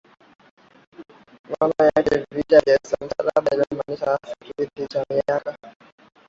maana yake Vita vya Msalaba linamaanisha hasa kipindi cha miaka